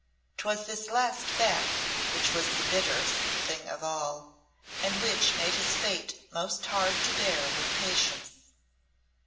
'Twas this last fact which was the bitterest thing of all, and which made his fate most hard to bear with patience.